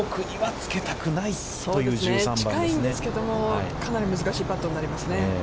近いんですけども、かなり難しいパットになりますね。